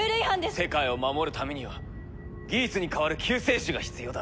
世界を守るためにはギーツに代わる救世主が必要だ。